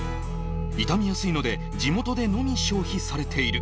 傷みやすいので、地元でのみ消費されている。